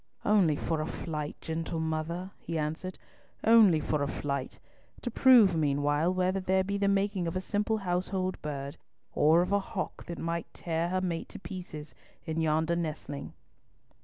"Only for a flight, gentle mother," he answered, "only for a flight, to prove meanwhile whether there be the making of a simple household bird, or of a hawk that might tear her mate to pieces, in yonder nestling."